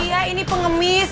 ya ini pengemis